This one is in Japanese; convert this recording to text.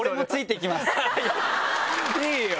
いいよ！